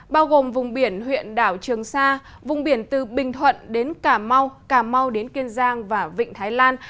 bao gồm vùng biển huyện đảo trường sa vùng biển từ bình thuận đến cà mau cà mau đến kiên giang và vịnh thái lan